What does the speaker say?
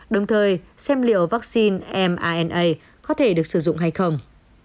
đồng thời xem liệu vaccine m có thể được sử dụng hay không